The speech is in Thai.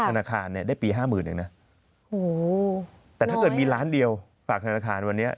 เออ๕๐๐๐อาทิตย์หนึ่งก็หมดแล้วมั้ยคะ